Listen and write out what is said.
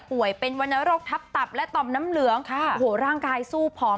เป็นวรรณโรคทับตับและต่อมน้ำเหลืองค่ะโอ้โหร่างกายสู้ผอม